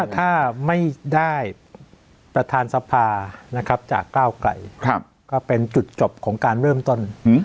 ถ้าไม่ได้ประธานสภานะครับจากก้าวไกลก็เป็นจุดจบของการเริ่มต้น